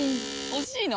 惜しいの？